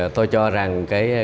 tôi cho rằng